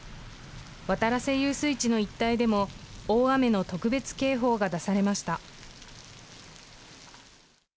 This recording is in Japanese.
渡良瀬遊水地の一帯でも大雨の特別警報が出されました。